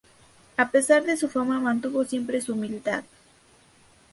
A pesar de su fama mantuvo siempre su humildad.